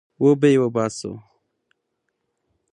وبې يې باسو.